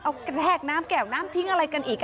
เอากระแทกน้ำแก้วน้ำทิ้งอะไรกันอีก